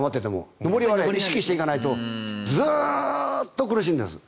上りは意識していかないとずっと苦しいんです。